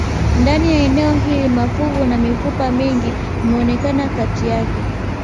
Ndani ya eneo hili mafuvu na mifupa mingi vimeonekana kati yake